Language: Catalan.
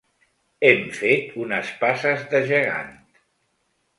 Hem fet unes passes de gegant.